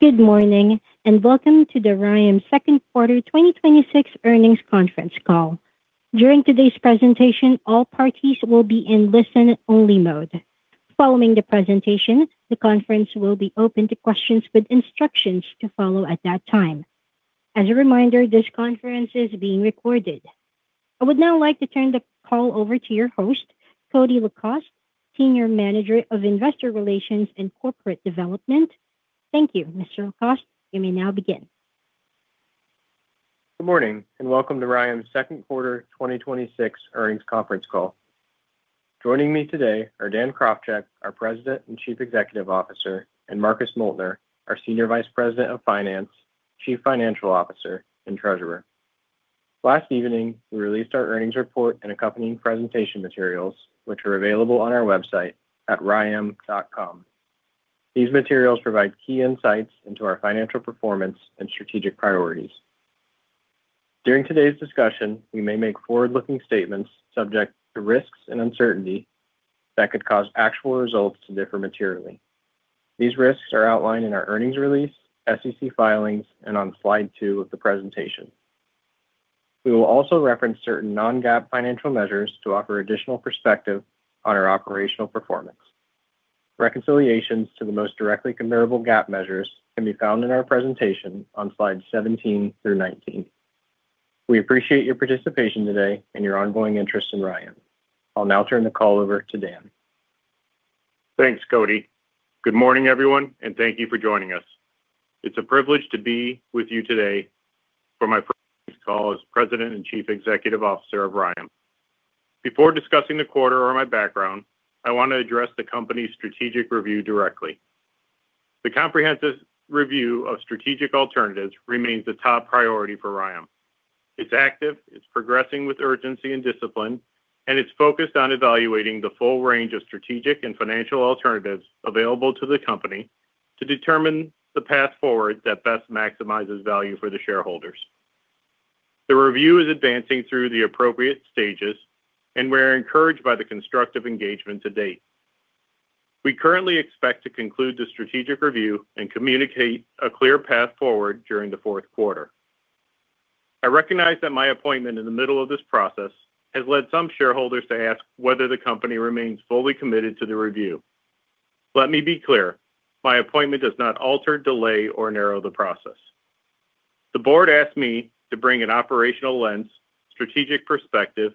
Good morning, and welcome to the RYAM second quarter 2026 earnings conference call. During today's presentation, all parties will be in listen-only mode. Following the presentation, the conference will be open to questions with instructions to follow at that time. As a reminder, this conference is being recorded. I would now like to turn the call over to your host, Cody LaCoste, senior manager of investor relations and corporate development. Thank you, Mr. LaCoste. You may now begin. Good morning, and welcome to RYAM's second quarter 2026 earnings conference call. Joining me today are Dan Krawczyk, our President and Chief Executive Officer, and Marcus Moeltner, our Senior Vice President of Finance, Chief Financial Officer, and Treasurer. Last evening, we released our earnings report and accompanying presentation materials, which are available on our website at ryam.com. These materials provide key insights into our financial performance and strategic priorities. During today's discussion, we may make forward-looking statements subject to risks and uncertainty that could cause actual results to differ materially. These risks are outlined in our earnings release, SEC filings, and on slide two of the presentation. We will also reference certain non-GAAP financial measures to offer additional perspective on our operational performance. Reconciliations to the most directly comparable GAAP measures can be found in our presentation on slides 17 through 19. We appreciate your participation today and your ongoing interest in RYAM. I'll now turn the call over to Dan. Thanks, Cody. Good morning, everyone, and thank you for joining us. It's a privilege to be with you today for my first call as President and Chief Executive Officer of RYAM. Before discussing the quarter or my background, I want to address the company's strategic review directly. The comprehensive review of strategic alternatives remains a top priority for RYAM. It's active, it's progressing with urgency and discipline, and it's focused on evaluating the full range of strategic and financial alternatives available to the company to determine the path forward that best maximizes value for the shareholders. The review is advancing through the appropriate stages, and we're encouraged by the constructive engagement to date. We currently expect to conclude the strategic review and communicate a clear path forward during the fourth quarter. I recognize that my appointment in the middle of this process has led some shareholders to ask whether the company remains fully committed to the review. Let me be clear. My appointment does not alter, delay, or narrow the process. The board asked me to bring an operational lens, strategic perspective,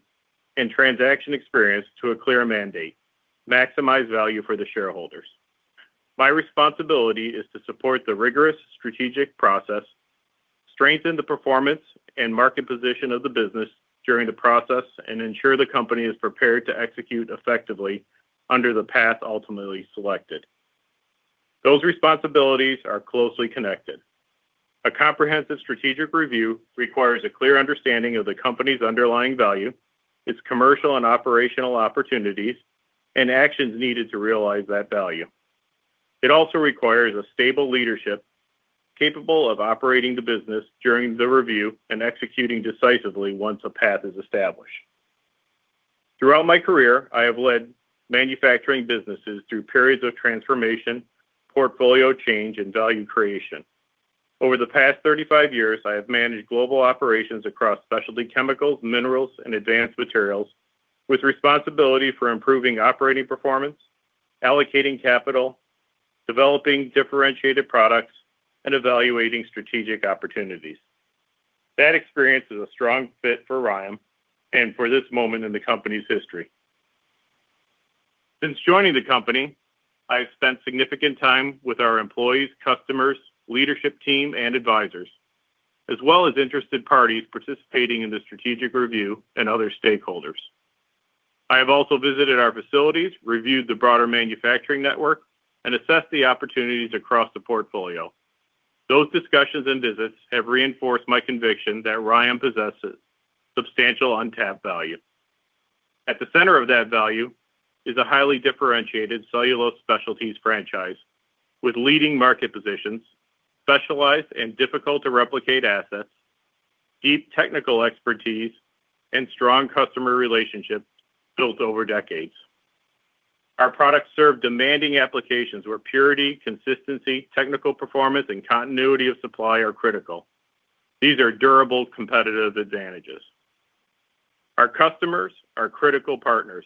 and transaction experience to a clear mandate: maximize value for the shareholders. My responsibility is to support the rigorous strategic process, strengthen the performance and market position of the business during the process, and ensure the company is prepared to execute effectively under the path ultimately selected. Those responsibilities are closely connected. A comprehensive strategic review requires a clear understanding of the company's underlying value, its commercial and operational opportunities, and actions needed to realize that value. It also requires a stable leadership capable of operating the business during the review and executing decisively once a path is established. Throughout my career, I have led manufacturing businesses through periods of transformation, portfolio change, and value creation. Over the past 35 years, I have managed global operations across specialty chemicals, minerals, and advanced materials with responsibility for improving operating performance, allocating capital, developing differentiated products, and evaluating strategic opportunities. That experience is a strong fit for RYAM and for this moment in the company's history. Since joining the company, I've spent significant time with our employees, customers, leadership team, and advisors, as well as interested parties participating in the strategic review and other stakeholders. I have also visited our facilities, reviewed the broader manufacturing network, and assessed the opportunities across the portfolio. Those discussions and visits have reinforced my conviction that RYAM possesses substantial untapped value. At the center of that value is a highly differentiated Cellulose Specialties franchise with leading market positions, specialized and difficult to replicate assets, deep technical expertise, and strong customer relationships built over decades. Our products serve demanding applications where purity, consistency, technical performance, and continuity of supply are critical. These are durable competitive advantages. Our customers are critical partners,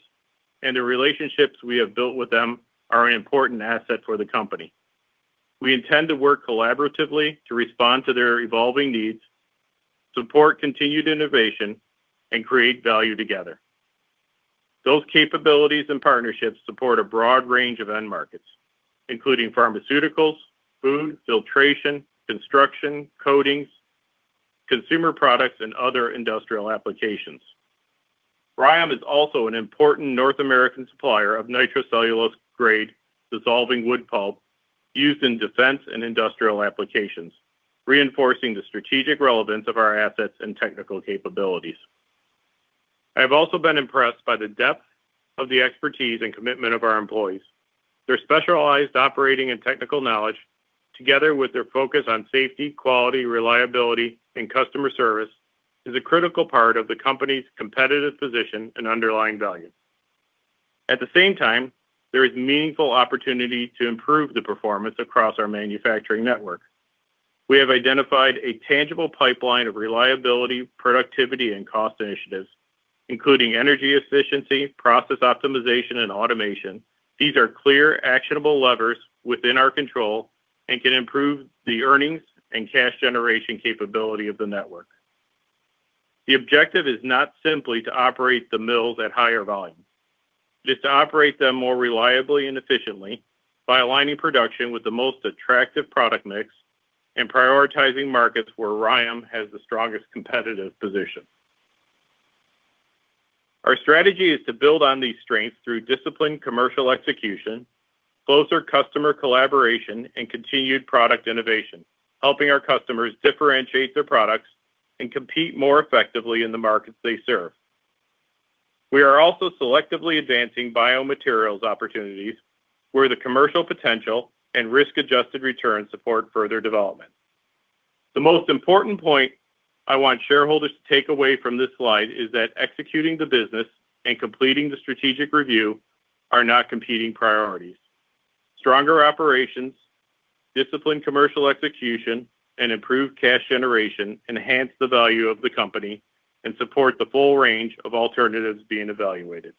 and the relationships we have built with them are an important asset for the company. We intend to work collaboratively to respond to their evolving needs, support continued innovation, and create value together. Those capabilities and partnerships support a broad range of end markets, including pharmaceuticals, food, filtration, construction, coatings, consumer products, and other industrial applications. RYAM is also an important North American supplier of nitrocellulose-grade dissolving wood pulp used in defense and industrial applications, reinforcing the strategic relevance of our assets and technical capabilities. I have also been impressed by the depth of the expertise and commitment of our employees. Their specialized operating and technical knowledge, together with their focus on safety, quality, reliability, and customer service, is a critical part of the company's competitive position and underlying value. At the same time, there is meaningful opportunity to improve the performance across our manufacturing network. We have identified a tangible pipeline of reliability, productivity, and cost initiatives, including energy efficiency, process optimization, and automation. These are clear, actionable levers within our control and can improve the earnings and cash generation capability of the network. The objective is not simply to operate the mills at higher volume, but it's to operate them more reliably and efficiently by aligning production with the most attractive product mix and prioritizing markets where RYAM has the strongest competitive position. Our strategy is to build on these strengths through disciplined commercial execution, closer customer collaboration, and continued product innovation, helping our customers differentiate their products and compete more effectively in the markets they serve. We are also selectively advancing biomaterials opportunities where the commercial potential and risk-adjusted return support further development. The most important point I want shareholders to take away from this slide is that executing the business and completing the strategic review are not competing priorities. Stronger operations, disciplined commercial execution, and improved cash generation enhance the value of the company and support the full range of alternatives being evaluated.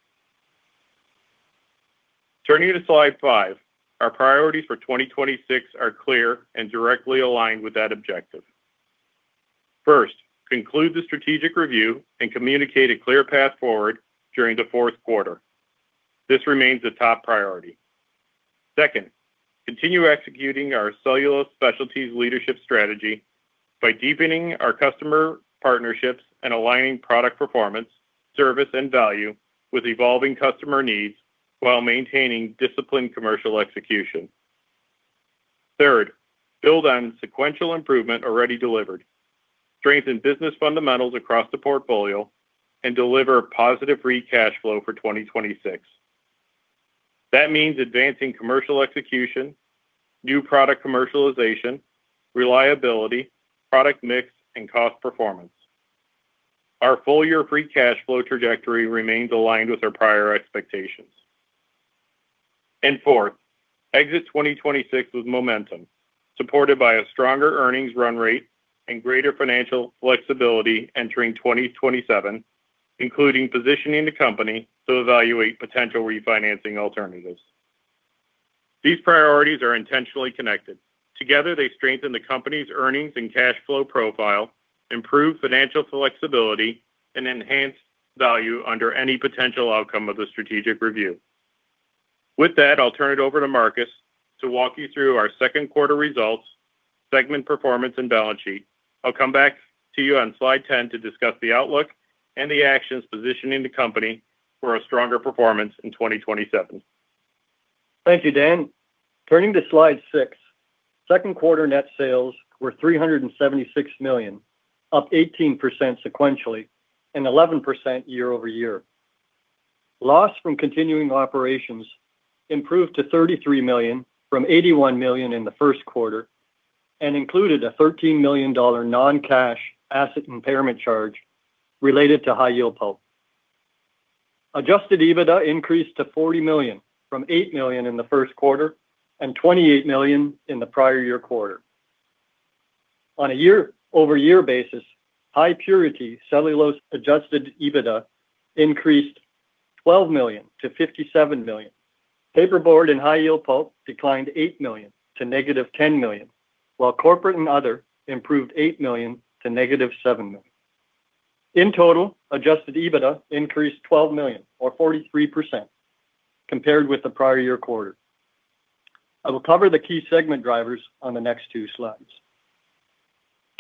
Turning to slide five, our priorities for 2026 are clear and directly aligned with that objective. First, conclude the strategic review and communicate a clear path forward during the fourth quarter. This remains a top priority. Second, continue executing our Cellulose Specialties leadership strategy by deepening our customer partnerships and aligning product performance, service, and value with evolving customer needs while maintaining disciplined commercial execution. Third, build on sequential improvement already delivered. Strengthen business fundamentals across the portfolio and deliver positive free cash flow for 2026. That means advancing commercial execution, new product commercialization, reliability, product mix, and cost performance. Our full-year free cash flow trajectory remains aligned with our prior expectations. Fourth, exit 2026 with momentum, supported by a stronger earnings run rate and greater financial flexibility entering 2027, including positioning the company to evaluate potential refinancing alternatives. These priorities are intentionally connected. Together, they strengthen the company's earnings and cash flow profile, improve financial flexibility, and enhance value under any potential outcome of the strategic review. With that, I'll turn it over to Marcus to walk you through our second quarter results, segment performance, and balance sheet. I'll come back to you on slide 10 to discuss the outlook and the actions positioning the company for a stronger performance in 2027. Thank you, Dan. Turning to slide six, second quarter net sales were $376 million, up 18% sequentially and 11% year-over-year. Loss from continuing operations improved to $33 million from $81 million in the first quarter and included a $13 million non-cash asset impairment charge related to High-Yield Pulp. Adjusted EBITDA increased to $40 million from $8 million in the first quarter and $28 million in the prior year quarter. On a year-over-year basis, High Purity Cellulose Adjusted EBITDA increased $12 million-$57 million. Paperboard and High-Yield Pulp declined $8 million to -$10 million, while corporate and other improved $8 million to -$7 million. In total, Adjusted EBITDA increased $12 million or 43% compared with the prior year quarter.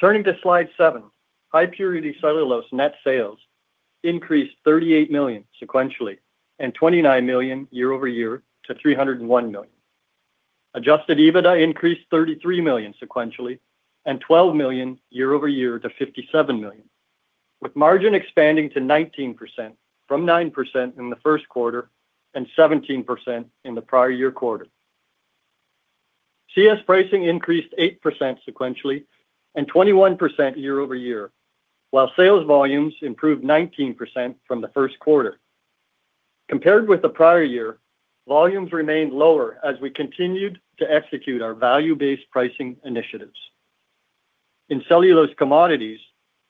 Turning to slide seven, High Purity Cellulose net sales increased $38 million sequentially and $29 million year-over-year to $301 million. Adjusted EBITDA increased $33 million sequentially and $12 million year-over-year to $57 million, with margin expanding to 19% from 9% in the first quarter and 17% in the prior year quarter. CS pricing increased 8% sequentially and 21% year-over-year, while sales volumes improved 19% from the first quarter. Compared with the prior year, volumes remained lower as we continued to execute our value-based pricing initiatives. In Cellulose Commodities,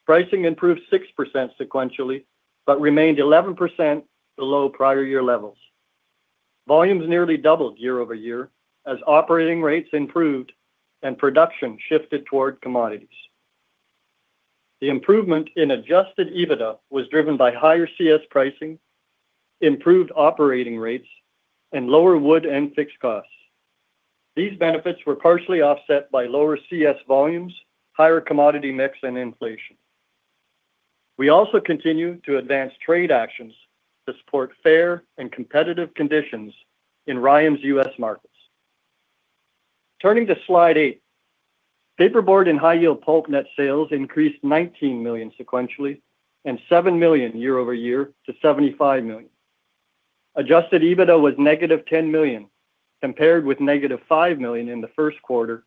pricing improved 6% sequentially, but remained 11% below prior year levels. Volumes nearly doubled year-over-year as operating rates improved and production shifted toward commodities. The improvement in Adjusted EBITDA was driven by higher CS pricing, improved operating rates, and lower wood and fixed costs. These benefits were partially offset by lower CS volumes, higher commodity mix, and inflation. We also continue to advance trade actions to support fair and competitive conditions in RYAM's U.S. markets. Turning to slide eight. Paperboard & High-Yield Pulp net sales increased $19 million sequentially and $7 million year-over-year to $75 million. Adjusted EBITDA was -$10 million compared with -$5 million in the first quarter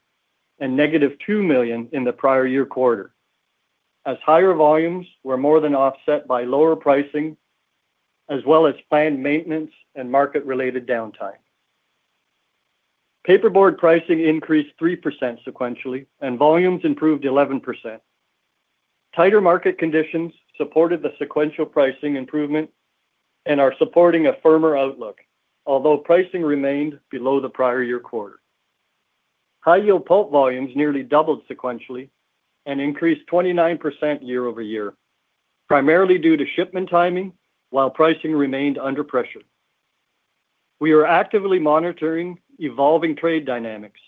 and -$2 million in the prior year quarter. As higher volumes were more than offset by lower pricing, as well as planned maintenance and market-related downtime. Paperboard pricing increased 3% sequentially, and volumes improved 11%. Tighter market conditions supported the sequential pricing improvement and are supporting a firmer outlook, although pricing remained below the prior year quarter. High-Yield Pulp volumes nearly doubled sequentially and increased 29% year-over-year, primarily due to shipment timing while pricing remained under pressure. We are actively monitoring evolving trade dynamics,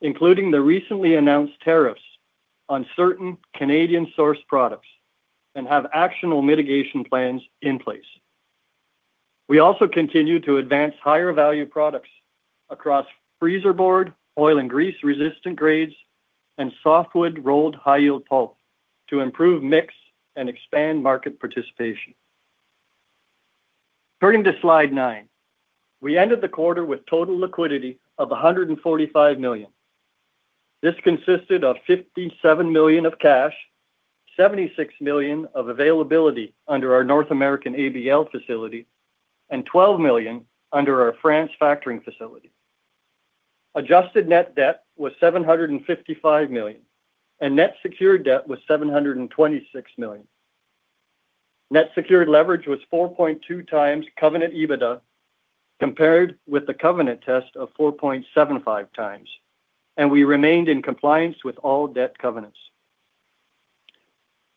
including the recently announced tariffs on certain Canadian-sourced products, and have actionable mitigation plans in place. We also continue to advance higher-value products across freezer board, oil and grease-resistant grades, and softwood rolled high-yield pulp to improve mix and expand market participation. Turning to slide nine. We ended the quarter with total liquidity of $145 million. This consisted of $57 million of cash, $76 million of availability under our North American ABL facility, and $12 million under our France factoring facility. adjusted net debt was $755 million, and net secured debt was $726 million. Net Secured Leverage was 4.2 times covenant EBITDA, compared with the covenant test of 4.75 times, and we remained in compliance with all debt covenants.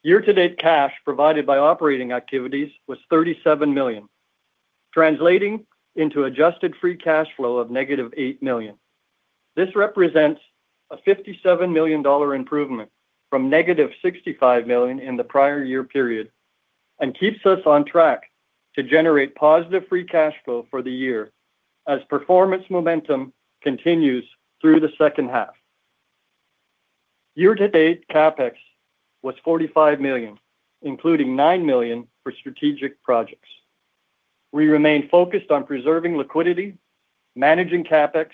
Year-to-date cash provided by operating activities was $37 million, translating into Adjusted Free Cash Flow of -$8 million. This represents a $57 million improvement from -$65 million in the prior year period and keeps us on track to generate positive free cash flow for the year as performance momentum continues through the second half. Year-to-date CapEx was $45 million, including $9 million for strategic projects. We remain focused on preserving liquidity, managing CapEx,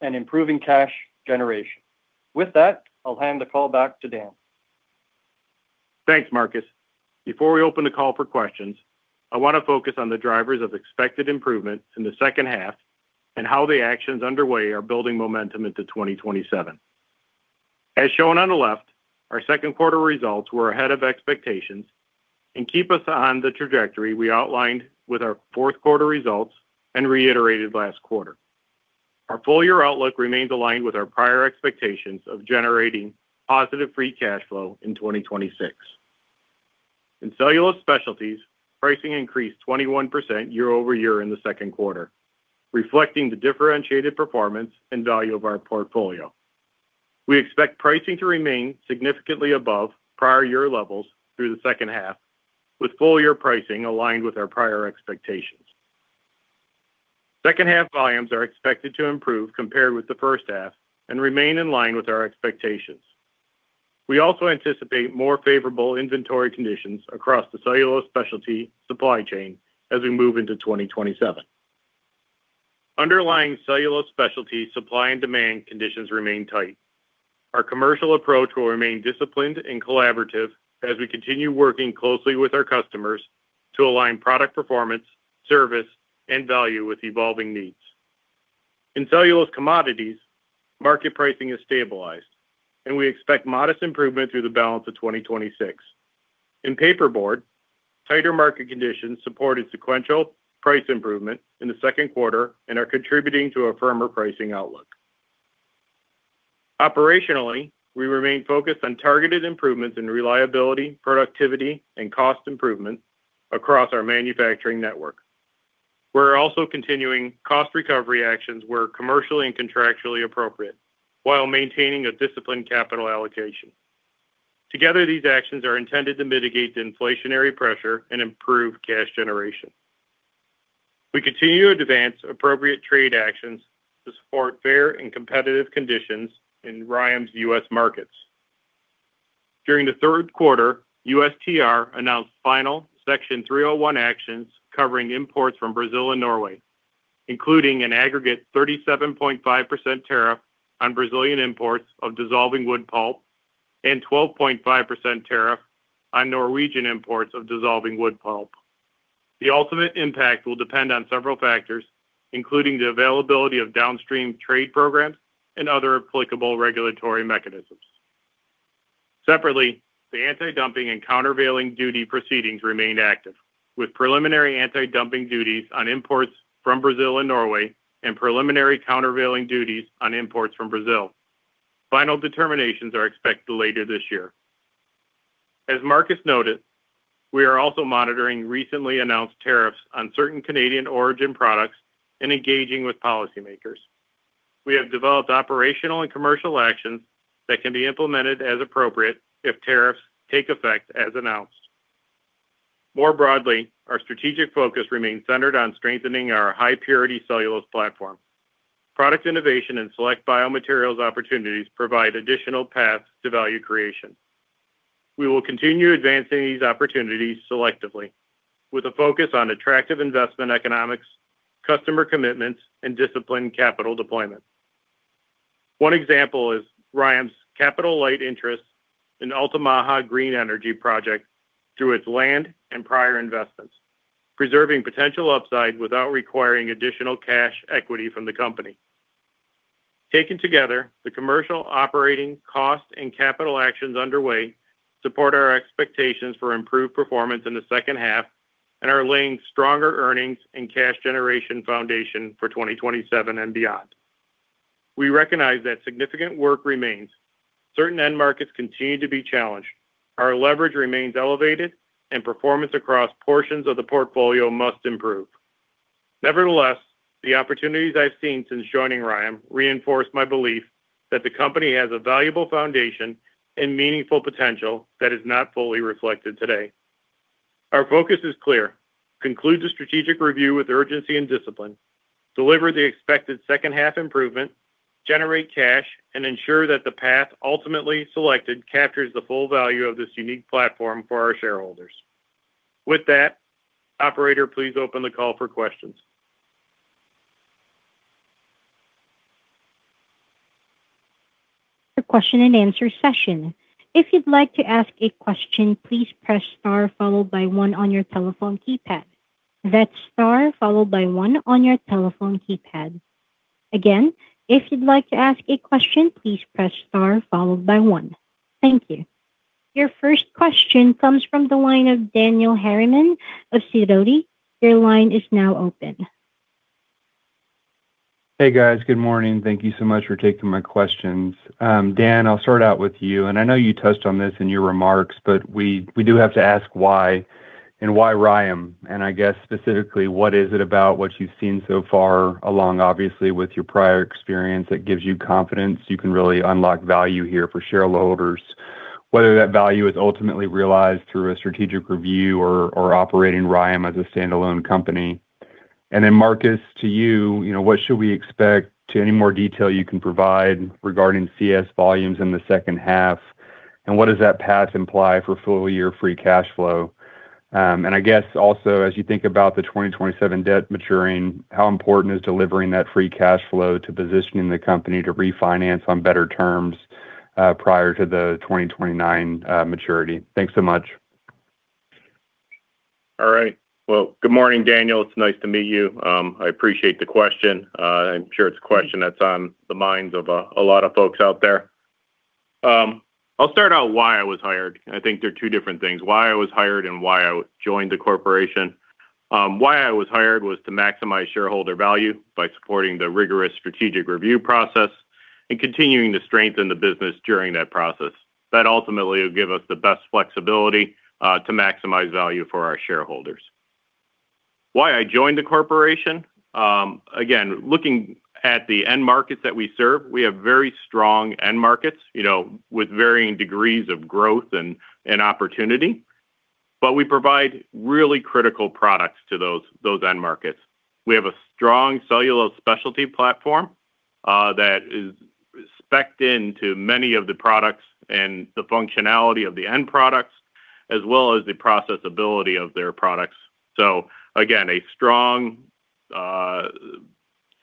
and improving cash generation. With that, I'll hand the call back to Dan. Thanks, Marcus. Before we open the call for questions, I want to focus on the drivers of expected improvement in the second half and how the actions underway are building momentum into 2027. As shown on the left, our second quarter results were ahead of expectations and keep us on the trajectory we outlined with our fourth quarter results and reiterated last quarter. Our full-year outlook remains aligned with our prior expectations of generating positive free cash flow in 2026. In Cellulose Specialties, pricing increased 21% year-over-year in the second quarter, reflecting the differentiated performance and value of our portfolio. We expect pricing to remain significantly above prior year levels through the second half, with full-year pricing aligned with our prior expectations. Second half volumes are expected to improve compared with the first half and remain in line with our expectations. We also anticipate more favorable inventory conditions across the Cellulose Specialties supply chain as we move into 2027. Underlying Cellulose Specialties supply and demand conditions remain tight. Our commercial approach will remain disciplined and collaborative as we continue working closely with our customers to align product performance, service, and value with evolving needs. In Cellulose Commodities, market pricing has stabilized, and we expect modest improvement through the balance of 2026. In Paperboard, tighter market conditions supported sequential price improvement in the second quarter and are contributing to a firmer pricing outlook. Operationally, we remain focused on targeted improvements in reliability, productivity, and cost improvement across our manufacturing network. We are also continuing cost recovery actions where commercially and contractually appropriate while maintaining a disciplined capital allocation. Together, these actions are intended to mitigate the inflationary pressure and improve cash generation. We continue to advance appropriate trade actions to support fair and competitive conditions in RYAM's U.S. markets. During the third quarter, USTR announced final Section 301 actions covering imports from Brazil and Norway, including an aggregate 37.5% tariff on Brazilian imports of dissolving wood pulp and 12.5% tariff on Norwegian imports of dissolving wood pulp. The ultimate impact will depend on several factors, including the availability of downstream trade programs and other applicable regulatory mechanisms. Separately, the antidumping and countervailing duty proceedings remained active, with preliminary antidumping duties on imports from Brazil and Norway and preliminary countervailing duties on imports from Brazil. Final determinations are expected later this year. As Marcus noted, we are also monitoring recently announced tariffs on certain Canadian origin products and engaging with policymakers. We have developed operational and commercial actions that can be implemented as appropriate if tariffs take effect as announced. More broadly, our strategic focus remains centered on strengthening our High Purity Cellulose platform. Product innovation and select biomaterials opportunities provide additional paths to value creation. We will continue advancing these opportunities selectively with a focus on attractive investment economics, customer commitments, and disciplined capital deployment. One example is RYAM capital-light interest in Altamaha Green Energy project through its land and prior investments, preserving potential upside without requiring additional cash equity from the company. Taken together, the commercial operating costs and capital actions underway support our expectations for improved performance in the second half and are laying stronger earnings and cash generation foundation for 2027 and beyond. We recognize that significant work remains. Certain end markets continue to be challenged. Our leverage remains elevated, and performance across portions of the portfolio must improve. Nevertheless, the opportunities I've seen since joining RYAM reinforce my belief that the company has a valuable foundation and meaningful potential that is not fully reflected today. Our focus is clear. Conclude the strategic review with urgency and discipline, deliver the expected second half improvement, generate cash, and ensure that the path ultimately selected captures the full value of this unique platform for our shareholders. With that, operator, please open the call for questions. The question and answer session. If you'd like to ask a question, please press Star followed by one on your telephone keypad. That's Star followed by one on your telephone keypad. Again, if you'd like to ask a question, please press Star followed by one. Thank you. Your first question comes from the line of Daniel Harriman of Sidoti. Your line is now open. Hey, guys. Good morning. Thank you so much for taking my questions. Dan, I'll start out with you, and I know you touched on this in your remarks, but we do have to ask why and why RYAM. I guess specifically, what is it about what you've seen so far along, obviously with your prior experience, that gives you confidence you can really unlock value here for shareholders, whether that value is ultimately realized through a strategic review or operating RYAM as a standalone company? Marcus, to you, what should we expect to any more detail you can provide regarding CS volumes in the second half, and what does that path imply for full-year free cash flow? I guess also as you think about the 2027 debt maturing, how important is delivering that free cash flow to positioning the company to refinance on better terms prior to the 2029 maturity? Thanks so much. All right. Well, good morning, Daniel. It's nice to meet you. I appreciate the question. I'm sure it's a question that's on the minds of a lot of folks out there. I'll start out why I was hired. I think they're two different things, why I was hired and why I joined the corporation. Why I was hired was to maximize shareholder value by supporting the rigorous strategic review process and continuing to strengthen the business during that process. That ultimately will give us the best flexibility to maximize value for our shareholders. Why I joined the corporation, again, looking at the end markets that we serve, we have very strong end markets with varying degrees of growth and opportunity. We provide really critical products to those end markets. We have a strong Cellulose Specialties platform that is specced into many of the products and the functionality of the end products, as well as the processability of their products. Again, a strong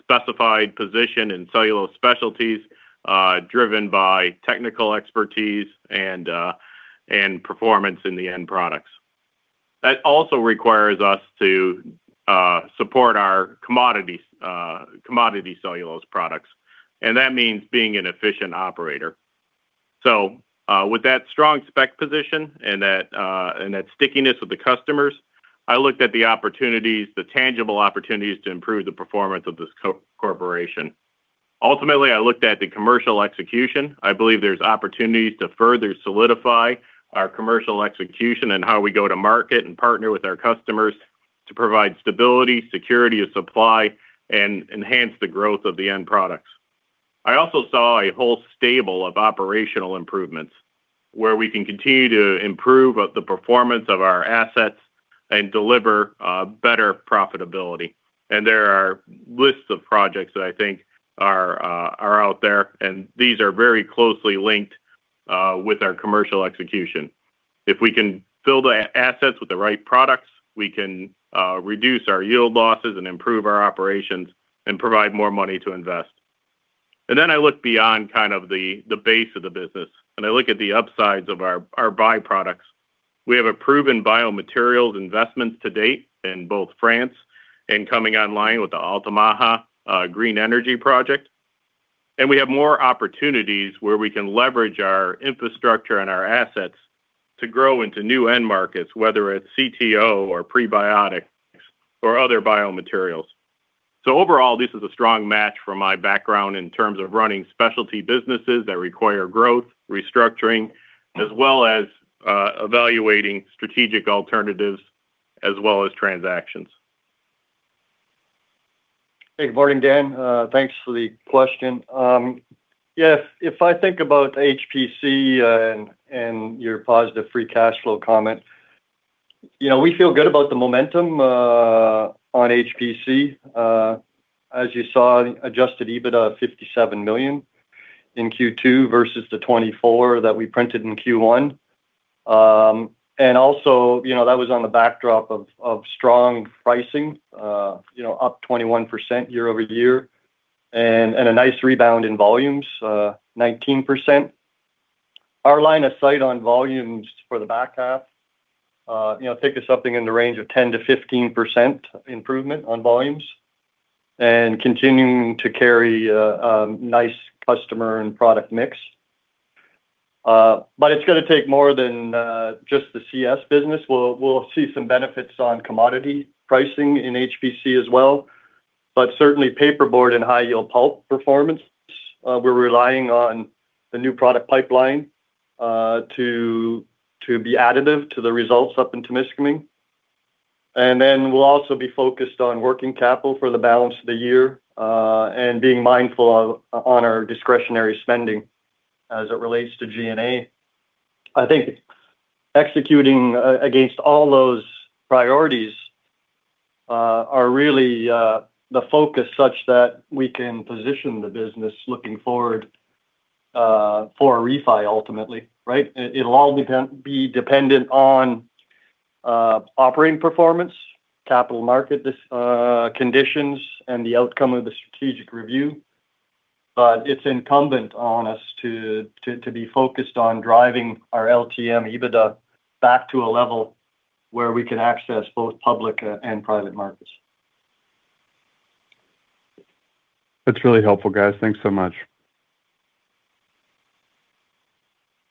specified position in Cellulose Specialties driven by technical expertise and performance in the end products. That also requires us to support our Cellulose Commodities products, and that means being an efficient operator. With that strong spec position and that stickiness with the customers, I looked at the tangible opportunities to improve the performance of this corporation. Ultimately, I looked at the commercial execution. I believe there's opportunities to further solidify our commercial execution and how we go to market and partner with our customers to provide stability, security of supply, and enhance the growth of the end products. I also saw a whole stable of operational improvements where we can continue to improve the performance of our assets and deliver better profitability. There are lists of projects that I think are out there, and these are very closely linked with our commercial execution. If we can fill the assets with the right products, we can reduce our yield losses and improve our operations and provide more money to invest. Then I look beyond the base of the business, and I look at the upsides of our byproducts. We have a proven biomaterials investments to date in both France and coming online with the Altamaha Green Energy project. We have more opportunities where we can leverage our infrastructure and our assets to grow into new end markets, whether it's CTO or prebiotics or other biomaterials. Overall, this is a strong match for my background in terms of running specialty businesses that require growth, restructuring, as well as evaluating strategic alternatives as well as transactions. Hey, good morning, Dan. Thanks for the question. If I think about HPC and your positive free cash flow comment, we feel good about the momentum on HPC. As you saw, Adjusted EBITDA of $57 million in Q2 versus the $24 that we printed in Q1. That was on the backdrop of strong pricing, up 21% year-over-year, and a nice rebound in volumes, 19%. Our line of sight on volumes for the back half think of something in the range of 10%-15% improvement on volumes and continuing to carry a nice customer and product mix. It's going to take more than just the CS business. We'll see some benefits on commodity pricing in HPC as well, but certainly Paperboard and High-Yield Pulp performance. We're relying on the new product pipeline to be additive to the results up in Témiscaming. We'll also be focused on working capital for the balance of the year and being mindful on our discretionary spending as it relates to G&A. I think executing against all those priorities are really the focus such that we can position the business looking forward for a refi ultimately, right? It'll all be dependent on operating performance, capital market conditions, and the outcome of the strategic review. It's incumbent on us to be focused on driving our LTM EBITDA back to a level where we can access both public and private markerts. That's really helpful, guys. Thanks so much.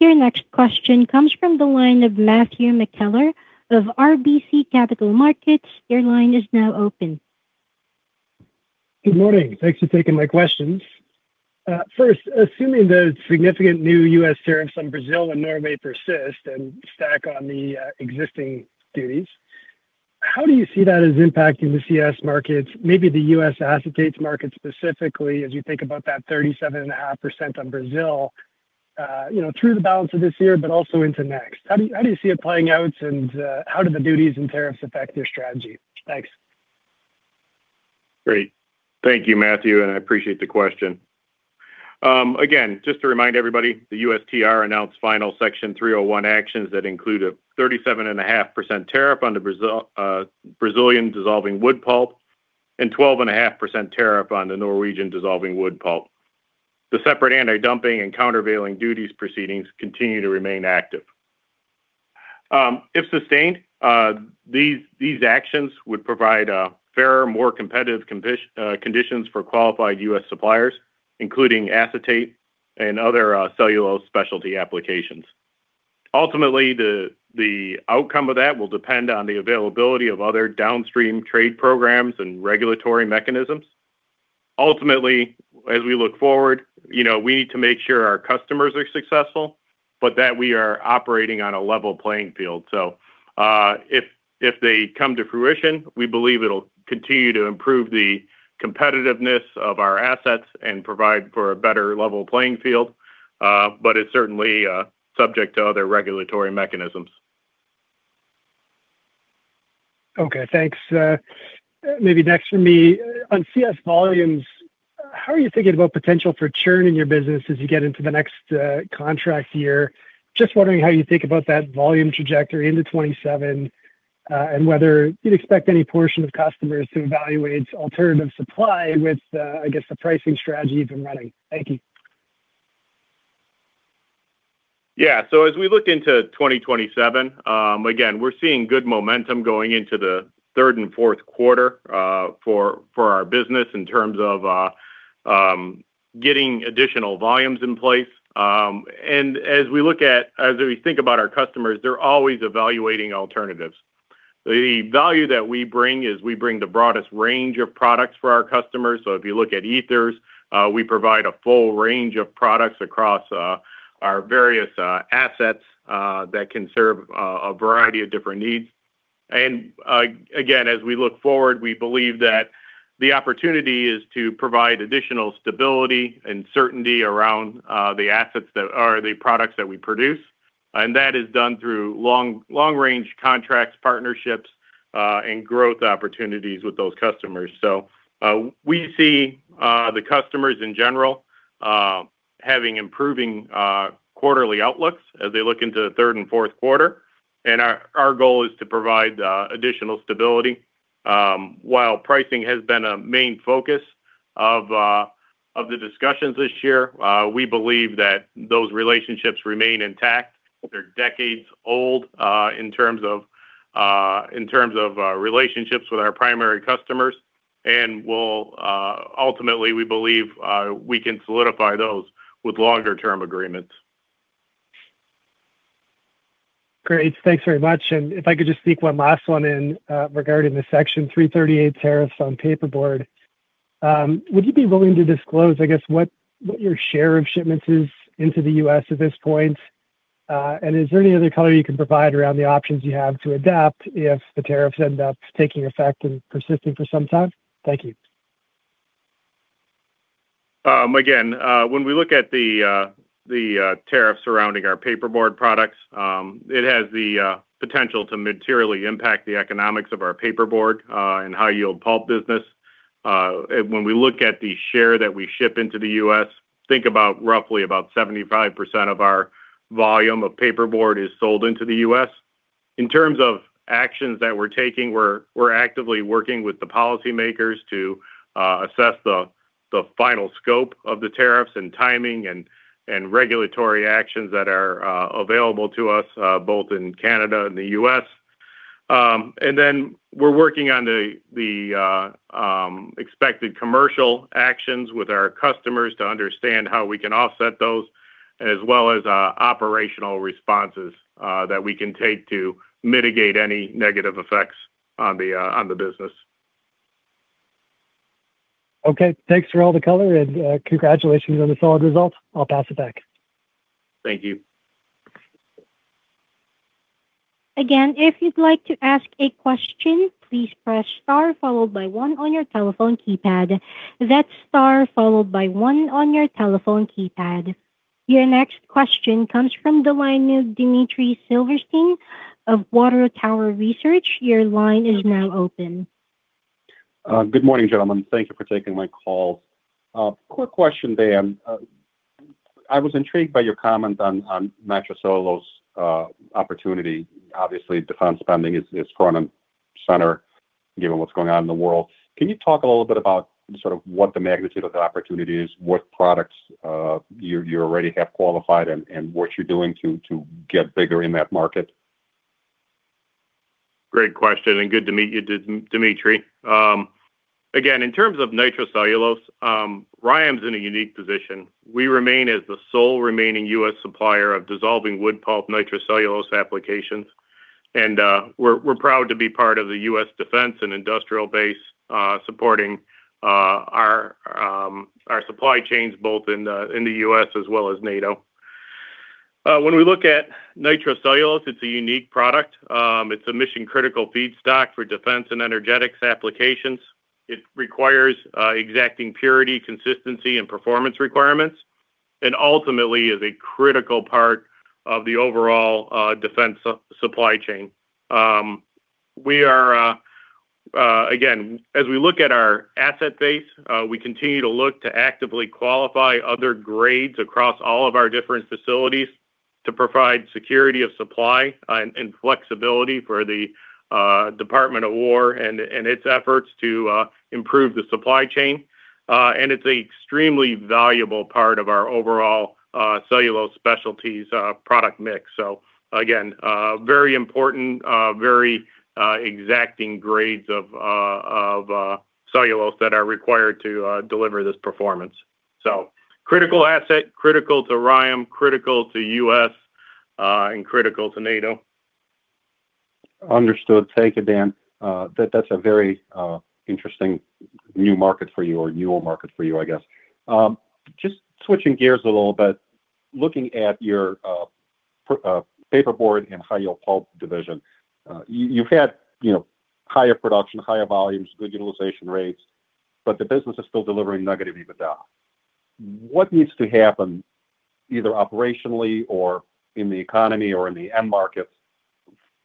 Your next question comes from the line of Matthew McKellar of RBC Capital Markets. Your line is now open. Good morning. Thanks for taking my questions. First, assuming the significant new U.S. tariffs on Brazil and Norway persist and stack on the existing duties, how do you see that as impacting the CS markets, maybe the U.S. acetate market specifically as you think about that 37.5% on Brazil through the balance of this year, but also into next? How do you see it playing out and how do the duties and tariffs affect your strategy? Thanks. Great. Thank you, Matthew, and I appreciate the question. Again, just to remind everybody, the USTR announced final Section 301 actions that include a 37.5% tariff on the Brazilian dissolving wood pulp and 12.5% tariff on the Norwegian dissolving wood pulp. The separate antidumping and countervailing duties proceedings continue to remain active. If sustained, these actions would provide fairer, more competitive conditions for qualified U.S. suppliers, including acetate and other cellulose specialty applications. Ultimately, the outcome of that will depend on the availability of other downstream trade programs and regulatory mechanisms. Ultimately, as we look forward, we need to make sure our customers are successful, but that we are operating on a level playing field. If they come to fruition, we believe it'll continue to improve the competitiveness of our assets and provide for a better level playing field. It's certainly subject to other regulatory mechanisms. Okay, thanks. Maybe next for me, on CS volumes, how are you thinking about potential for churn in your business as you get into the next contract year? Just wondering how you think about that volume trajectory into 2027, and whether you'd expect any portion of customers to evaluate alternative supply with, I guess, the pricing strategy you've been running. Thank you. Yeah. As we look into 2027, again, we're seeing good momentum going into the third and fourth quarter for our business in terms of getting additional volumes in place. As we think about our customers, they're always evaluating alternatives. The value that we bring is we bring the broadest range of products for our customers. If you look at ethers, we provide a full range of products across our various assets that can serve a variety of different needs. Again, as we look forward, we believe that the opportunity is to provide additional stability and certainty around the assets that are the products that we produce. That is done through long-range contracts, partnerships, and growth opportunities with those customers. We see the customers in general having improving quarterly outlooks as they look into the third and fourth quarter. Our goal is to provide additional stability. While pricing has been a main focus of the discussions this year, we believe that those relationships remain intact. They're decades old in terms of relationships with our primary customers, and ultimately, we believe we can solidify those with longer-term agreements. Great. Thanks very much. If I could just sneak one last one in regarding the Section 338 tariffs on paperboard. Would you be willing to disclose, I guess, what your share of shipments is into the U.S. at this point? Is there any other color you can provide around the options you have to adapt if the tariffs end up taking effect and persisting for some time? Again, when we look at the tariffs surrounding our paperboard products, it has the potential to materially impact the economics of our Paperboard & High Yield Pulp business. When we look at the share that we ship into the U.S., think about roughly about 75% of our volume of paperboard is sold into the U.S. In terms of actions that we're taking, we're actively working with the policymakers to assess the final scope of the tariffs and timing and regulatory actions that are available to us both in Canada and the U.S. Then we're working on the expected commercial actions with our customers to understand how we can offset those, as well as operational responses that we can take to mitigate any negative effects on the business. Okay. Thanks for all the color, and congratulations on the solid results. I'll pass it back. Thank you. Again, if you'd like to ask a question, please press star followed by one on your telephone keypad. That's star followed by one on your telephone keypad. Your next question comes from the line of Dmitry Silversteyn of Water Tower Research. Your line is now open. Good morning, gentlemen. Thank you for taking my call. Quick question, Dan. I was intrigued by your comment on nitrocellulose opportunity. Obviously, defense spending is front and center given what's going on in the world. Can you talk a little bit about what the magnitude of the opportunity is, what products you already have qualified, and what you're doing to get bigger in that market? Great question, and good to meet you, Dmitry. Again, in terms of nitrocellulose, RYAM's in a unique position. We remain as the sole remaining U.S. supplier of dissolving wood pulp nitrocellulose applications, and we're proud to be part of the U.S. Defense and Industrial Base, supporting our supply chains both in the U.S. as well as NATO. When we look at nitrocellulose, it's a unique product. It's a mission-critical feedstock for defense and energetics applications. It requires exacting purity, consistency, and performance requirements, and ultimately is a critical part of the overall defense supply chain. Again, as we look at our asset base, we continue to look to actively qualify other grades across all of our different facilities to provide security of supply and flexibility for the Department of War and its efforts to improve the supply chain. It's a extremely valuable part of our overall Cellulose Specialties product mix. Again, very important, very exacting grades of cellulose that are required to deliver this performance. Critical asset, critical to RYAM, critical to U.S., and critical to NATO. Understood. Thank you, Dan. That's a very interesting new market for you, or new old market for you, I guess. Just switching gears a little bit, looking at your Paperboard and High-Yield Pulp division. You've had higher production, higher volumes, good utilization rates, the business is still delivering negative EBITDA. What needs to happen, either operationally or in the economy or in the end markets,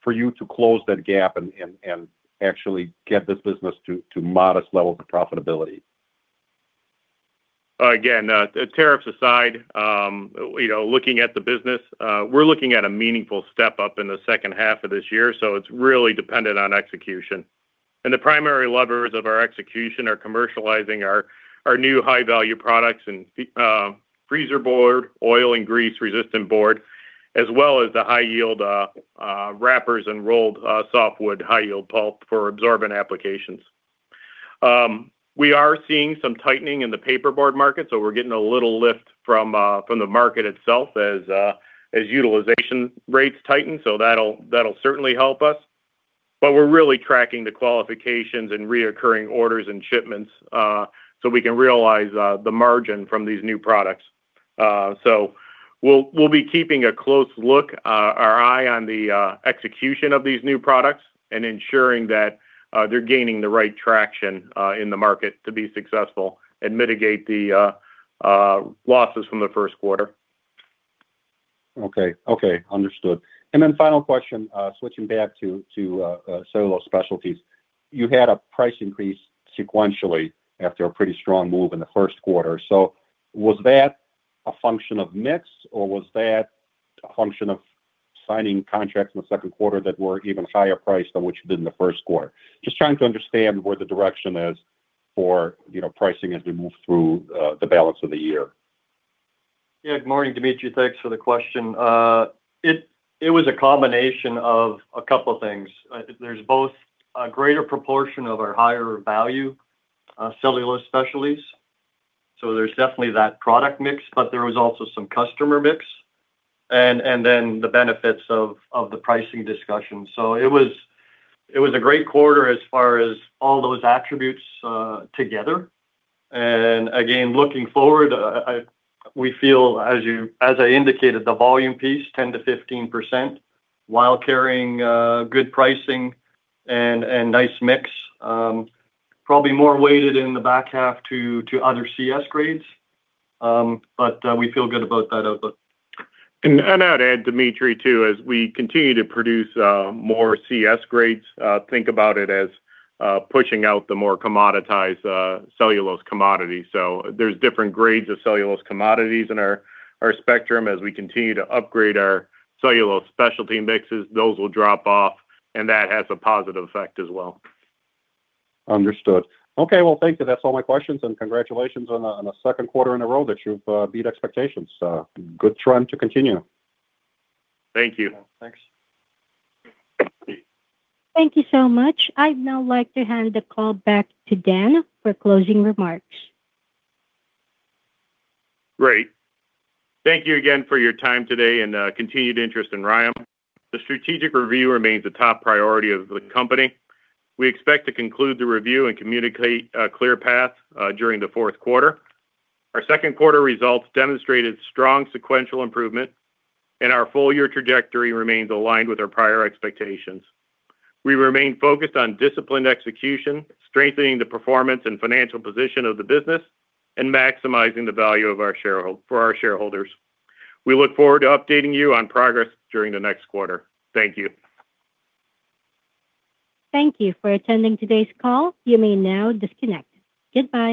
for you to close that gap and actually get this business to modest levels of profitability? Again, the tariffs aside, looking at the business, we're looking at a meaningful step-up in the second half of this year, it's really dependent on execution. The primary levers of our execution are commercializing our new high-value products and Freezer Board, oil and grease-resistant board, as well as the high-yield wrappers and rolled softwood high-yield pulp for absorbent applications. We are seeing some tightening in the paperboard market, we're getting a little lift from the market itself as utilization rates tighten, that'll certainly help us. We're really tracking the qualifications and reoccurring orders and shipments, we can realize the margin from these new products. We'll be keeping a close eye on the execution of these new products and ensuring that they're gaining the right traction in the market to be successful and mitigate the losses from the first quarter. Okay. Understood. Final question, switching back to Cellulose Specialties. You had a price increase sequentially after a pretty strong move in the first quarter. Was that a function of mix, or was that a function of signing contracts in the second quarter that were even higher priced than what you did in the first quarter? Just trying to understand where the direction is for pricing as we move through the balance of the year. Good morning, Dmitry. Thanks for the question. It was a combination of a couple things. There's both a greater proportion of our higher-value Cellulose Specialties, there's definitely that product mix, but there was also some customer mix, and then the benefits of the pricing discussion. It was a great quarter as far as all those attributes together. Again, looking forward, we feel, as I indicated, the volume piece 10%-15% while carrying good pricing and nice mix. Probably more weighted in the back half to other CS grades. We feel good about that outlook. I'd add, Dmitry, too, as we continue to produce more CS grades, think about it as pushing out the more commoditized cellulose commodity. There's different grades of Cellulose Commodities in our spectrum. As we continue to upgrade our Cellulose Specialty mixes, those will drop off, and that has a positive effect as well. Understood. Well, thank you. That's all my questions, congratulations on a second quarter in a row that you've beat expectations. Good trend to continue. Thank you. Yeah, thanks. Thank you so much. I'd now like to hand the call back to Dan for closing remarks. Great. Thank you again for your time today and continued interest in RYAM. The strategic review remains a top priority of the company. We expect to conclude the review and communicate a clear path during the fourth quarter. Our second quarter results demonstrated strong sequential improvement, and our full-year trajectory remains aligned with our prior expectations. We remain focused on disciplined execution, strengthening the performance and financial position of the business, and maximizing the value for our shareholders. We look forward to updating you on progress during the next quarter. Thank you. Thank you for attending today's call. You may now disconnect. Goodbye